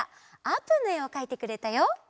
あーぷんのえをかいてくれたよ。